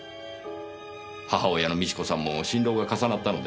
母親の美智子さんも心労が重なったのでしょうねぇ。